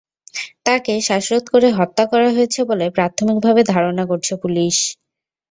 তাঁকে শ্বাসরোধ করে হত্যা করা হয়েছে বলে প্রাথমিকভাবে ধারণা করছে পুলিশ।